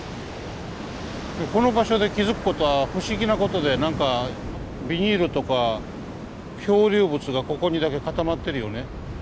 この場所で気付くことは不思議なことで何かビニールとか漂流物がここにだけ固まってるよね。